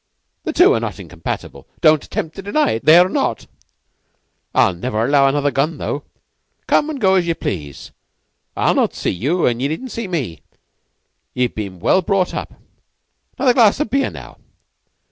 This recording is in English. The two are not incompatible. Don't attempt to deny it. They're not! I'll never allow another gun, though. Come and go as ye please. I'll not see you, and ye needn't see me. Ye've been well brought up. Another glass of beer, now?